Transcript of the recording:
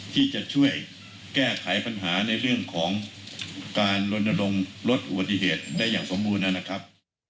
ที่จะช่วยแก้ไขปัญหาในเรื่องของการลนลงลดอุบัติเหตุได้อย่างสมบูรณ์นะครับ